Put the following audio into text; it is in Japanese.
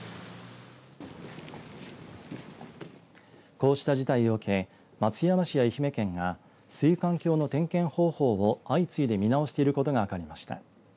こうした事態を受け松山市や愛媛県が水管橋の点検方法を相次いで見直していることが分かりました。